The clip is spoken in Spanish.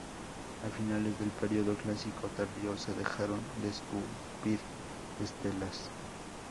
A finales del periodo clásico tardío se dejaron de esculpir estelas.